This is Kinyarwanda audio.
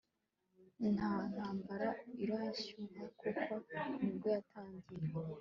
Nka ntambara irashyuha kuko nibwo yatangira